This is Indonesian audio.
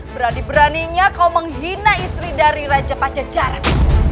berani beraninya kau menghina istri dari raja pencejaran